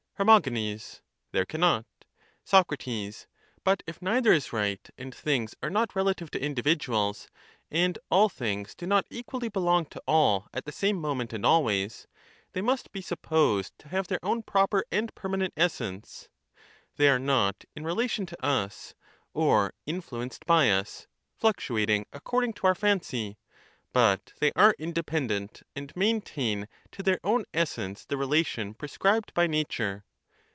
Her. There cannot. Soc. But if neither is right, and things are not relative to individuals, and all things do not equally belong to all at the same moment and always, they must be supposed to have their own proper and permanent essence: they are not in The. sophistries of both exploded. 327 relation to us, or influenced by us, fluctuating according to Cr.ityius. our fancy, but they are independent, and maintain to their Sockates, own essence the relation prescribed by nature.